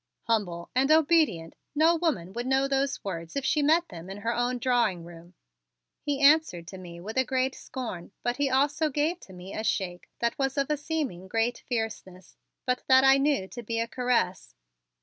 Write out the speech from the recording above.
"Humble and obedient no woman would know those words if she met them in her own drawing room," he answered to me with a great scorn but he also gave to me a shake that was of a seeming great fierceness, but that I knew to be a caress.